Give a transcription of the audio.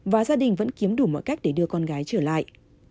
và gia đình vẫn kiếm đủ mọi cách để đưa con gái trở lại